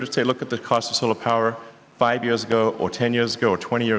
dengan sembilan puluh seperti apa yang terjadi dengan bp